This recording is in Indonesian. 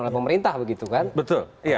oleh pemerintah begitu kan betul